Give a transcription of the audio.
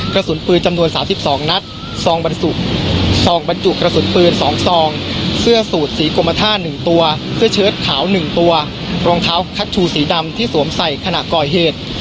กระสุนปืนจำนวน๓๒นัดซองบรรจุซองบรรจุกระสุนปืน๒ซองเสื้อสูตรสีกรมท่า๑ตัวเสื้อเชิดขาว๑ตัวรองเท้าคัชชูสีดำที่สวมใส่ขณะก่อเหตุ